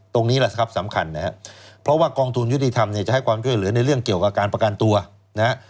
ตรงนี้แหละครับสำคัญนะครับเพราะว่ากองทุนยุติธรรมเนี่ยจะให้ความช่วยเหลือในเรื่องเกี่ยวกับการประกันตัวนะฮะ